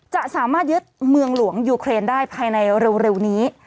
จะสามารถยึดเมืองหลวงยูเครนได้ภายในเร็วนี้